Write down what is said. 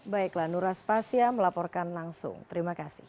baiklah nurah spasia melaporkan langsung terima kasih